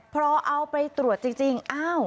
พอเอาไปตรวจจริง